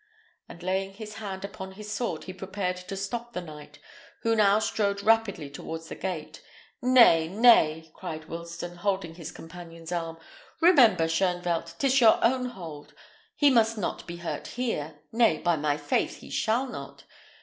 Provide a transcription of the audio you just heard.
and laying his hand upon his sword, he prepared to stop the knight, who now strode rapidly towards the gate. "Nay, nay," cried Wilsten, holding his companion's arm. "Remember, Shoenvelt, 'tis your own hold. He must not be hurt here; nay, by my faith he shall not.